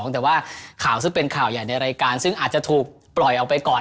แต่ว่าข่าวซึ่งเป็นข่าวใหญ่ในรายการซึ่งอาจจะถูกปล่อยออกไปก่อน